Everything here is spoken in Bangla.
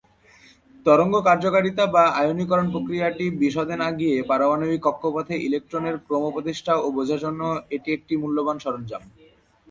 তরঙ্গ কার্যকারিতা বা আয়নীকরণ প্রক্রিয়াটির বিশদে না গিয়ে পারমাণবিক কক্ষপথে ইলেকট্রনের ক্রম প্রতিষ্ঠা ও বোঝার জন্য এটি একটি মূল্যবান সরঞ্জাম।